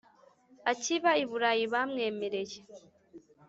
Akiba i Bulayi bamwemereye